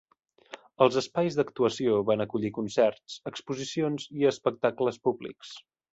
Els espais d'actuació van acollir concerts, exposicions i espectacles públics.